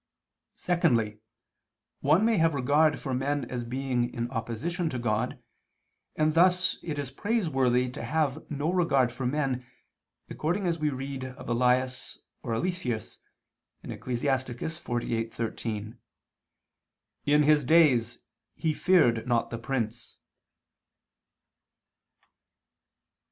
Secondly, one may have regard for men as being in opposition to God, and thus it is praiseworthy to have no regard for men, according as we read of Elias or Eliseus (Ecclus. 48:13): "In his days he feared not the prince."